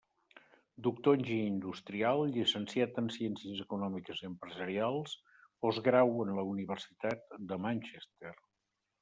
Doctor enginyer industrial, Llicenciat en Ciències Econòmiques i Empresarials, Postgrau en la Universitat de Manchester.